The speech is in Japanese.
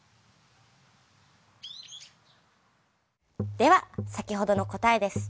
では先ほどの答えです。